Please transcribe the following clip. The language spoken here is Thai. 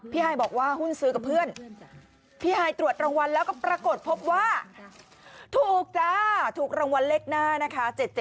ฮายบอกว่าหุ้นซื้อกับเพื่อนพี่ฮายตรวจรางวัลแล้วก็ปรากฏพบว่าถูกจ้าถูกรางวัลเลขหน้านะคะ